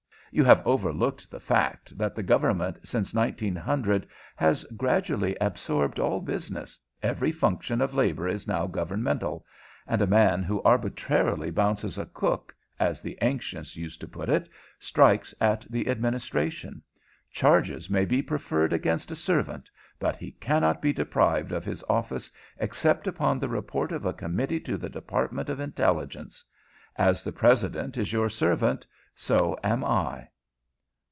"You have overlooked the fact that the government since 1900 has gradually absorbed all business every function of labor is now governmental and a man who arbitrarily bounces a cook, as the ancients used to put it, strikes at the administration. Charges may be preferred against a servant, but he cannot be deprived of his office except upon the report of a committee to the Department of Intelligence. As the President is your servant, so am I."